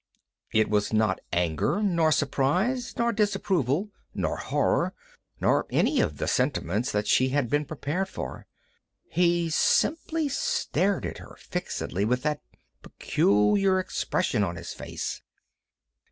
It was not anger, nor surprise, nor disapproval, nor horror, nor any of the sentiments that she had been prepared for. He simply stared at her fixedly with that peculiar expression on his face.